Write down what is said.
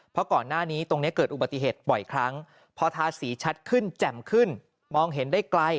เพราะก่อนหน้านี้ตรงนี้เกิดอุบัติเหตุบ่อยครั้งพอทาสีชัดขึ้นแจ่มขึ้นมองเห็นได้ไกล